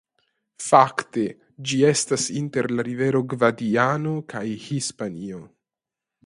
Fakte ĝi estas inter la rivero Gvadiano kaj Hispanio.